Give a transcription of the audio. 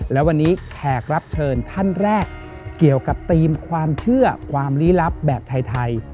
และวันนี้แขกรับเชิญท่านแรกเกี่ยวกับธีมความเชื่อความลี้ลับแบบไทย